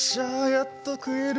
やっと食える。